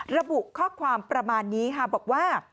ระบุข้อความประมาณนี้ค่ะบอกว่า